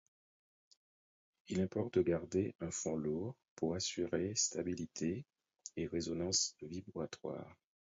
Il importe de garder un fond lourd pour assurer stabilité et résonance vibratoire.